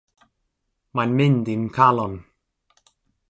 Mae'n mynd i'm calon.